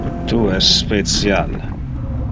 Tu es special.